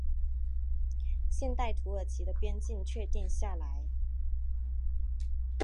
现代土耳其的边境确定下来。